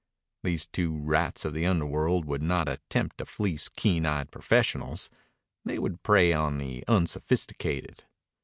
These two rats of the underworld would not attempt to fleece keen eyed professionals. They would prey on the unsophisticated.